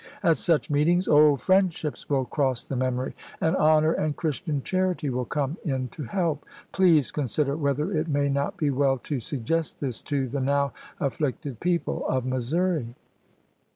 At such meetings old friendships will cross the memory, and honor and Christian charity will come in to help. Please consider whether it may not be well to suggest this to the now afflicted people of Missouri.